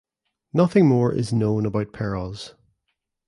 Nothing more is known about Peroz.